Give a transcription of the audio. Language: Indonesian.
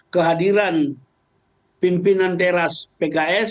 kehadiran pimpinan teras pks